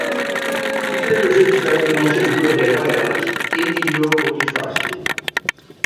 Il est le jeune frère de l'ancien joueur des Royals Emilio Bonifacio.